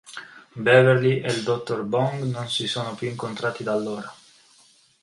Beverly e il dottor Bong non si sono più incontrati da allora.